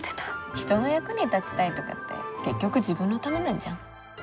人の役に立ちたいとかって結局自分のためなんじゃん？